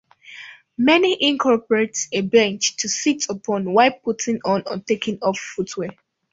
Many incorporate a bench to sit upon while putting on or taking off footwear.